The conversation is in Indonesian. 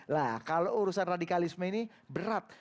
lah kalau urusan radikalisme ini berat